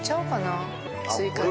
追加で。